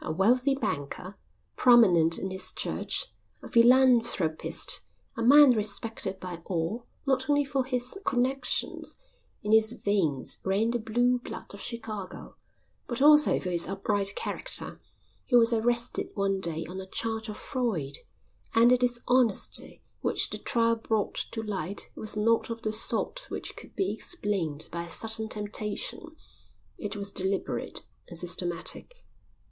A wealthy banker, prominent in his church, a philanthropist, a man respected by all, not only for his connections (in his veins ran the blue blood of Chicago), but also for his upright character, he was arrested one day on a charge of fraud; and the dishonesty which the trial brought to light was not of the sort which could be explained by a sudden temptation; it was deliberate and systematic.